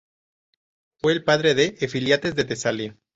Fue el padre de Efialtes de Tesalia.